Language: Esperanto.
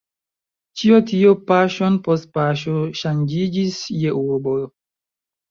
Ĉio tio paŝon post paŝo ŝanĝiĝis je urbo.